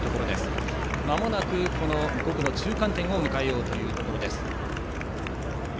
まもなく５区の中間点を迎えようというところです。